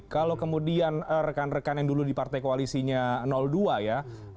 kalau kemudian rekan rekan yang dulu di partai koalisinya dua ya